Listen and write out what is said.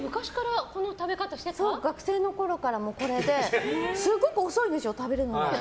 学生のころからこれですごく遅いんですよ、食べるのが。